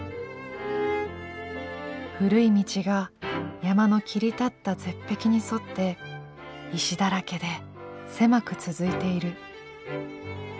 「古い道が山の切り立った絶壁に沿って石だらけで狭く続いている」。